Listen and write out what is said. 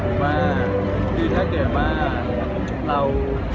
เพราะว่าคือถ้าเกิดว่าเรา